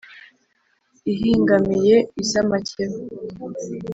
Ihingamiye iz’amakeba,